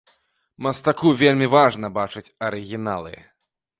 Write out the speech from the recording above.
Мастаку вельмі важна бачыць арыгіналы.